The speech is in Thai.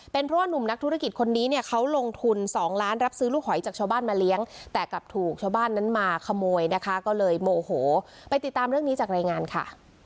เพราะว่านุ่มนักธุรกิจคนนี้เนี่ยเขาลงทุนสองล้านรับซื้อลูกหอยจากชาวบ้านมาเลี้ยงแต่กลับถูกชาวบ้านนั้นมาขโมยนะคะก็เลยโมโหไปติดตามเรื่องนี้จากรายงานค่ะ